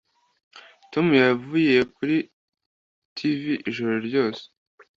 Tom yavuye kuri TV ijoro ryose